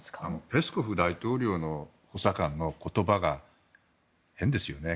ペスコフ大統領報道官の言葉が変ですよね。